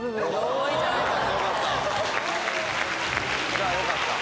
じゃあよかった。